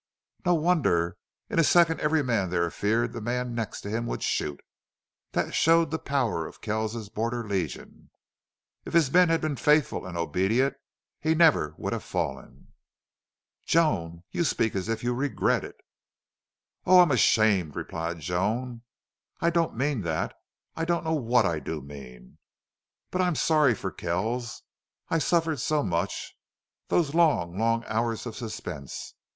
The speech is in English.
"No wonder. In a second every man there feared the man next to him would shoot. That showed the power of Kells's Border Legion. If his men had been faithful and obedient he never would have fallen." "Joan! You speak as if you regret it!" "Oh, I am ashamed," replied Joan. "I don't mean that. I don't know what I do mean. But still I'm sorry for Kells. I suffered so much.... Those long, long hours of suspense....